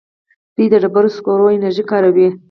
دوی د ډبرو سکرو انرژي کاروي.